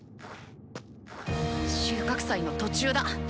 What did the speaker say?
収穫祭の途中だ！